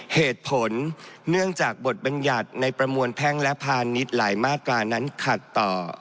เหตุผลเนื่องจากบทบัญญัติในประมวลแพ่งและพาณิชย์หลายมาตรานั้นขัดต่อ